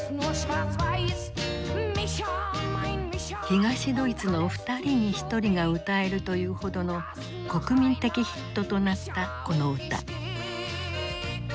東ドイツの２人に１人が歌えるというほどの国民的ヒットとなったこの歌。